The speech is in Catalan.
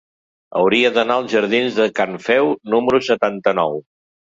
Hauria d'anar als jardins de Can Feu número setanta-nou.